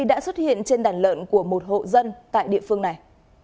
đã xuất hiện trên đàn lợn của một hộ dân tại địa phương này